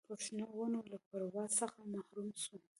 پر شنو ونو له پرواز څخه محروم سو